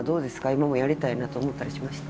今もやりたいなと思ったりしました？